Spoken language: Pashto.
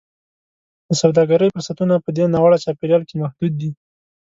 د سوداګرۍ فرصتونه په دې ناوړه چاپېریال کې محدود دي.